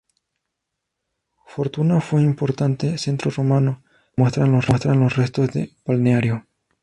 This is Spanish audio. Fortuna fue un importante centro romano, como demuestran los restos del balneario.